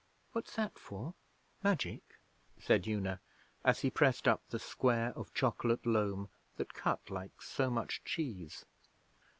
'What's that for Magic?' said Una, as he pressed up the square of chocolate loam that cut like so much cheese.